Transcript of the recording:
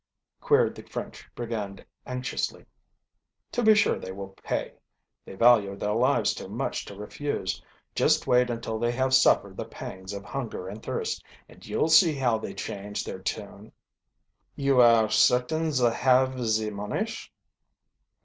queried the French brigand anxiously. "To be sure they will pay. They value their lives too much to refuse. Just wait until they have suffered the pangs of hunger and thirst, and you'll see how they change their tune." "You are certain za have ze monish?"